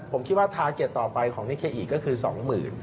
ผมคิดว่าทาร์เกตต่อไปของนิเกอีดีก็คือ๒๐๐๐๐